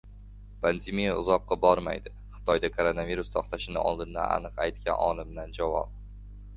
Pandemiya uzoqqa bormaydi: Xitoyda koronavirus to‘xtashini oldindan aniq aytgan olimdan javob